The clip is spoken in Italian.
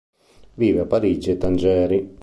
Vive a Parigi e Tangeri.